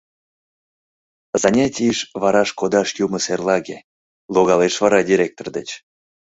Занятийыш вараш кодаш юмо серлаге, логалеш вара директор деч.